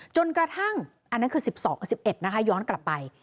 จนกระทั่งอันนั้นคือ๑๒๑๑นะคะย้อนกลับไป